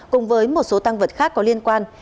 cùng với một số tăng vật khác có liên quan